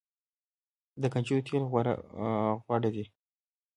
د کنجدو تیل غوره دي.